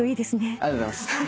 ありがとうございます。